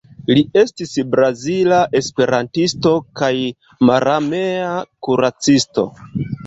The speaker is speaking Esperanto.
Li estis brazila esperantisto kaj mararmea kuracisto.